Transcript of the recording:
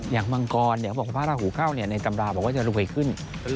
มังกรเขาบอกว่าพระราหูเข้าในตำราบอกว่าจะรวยขึ้น